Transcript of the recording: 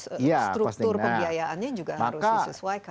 struktur pembiayaannya juga harus disesuaikan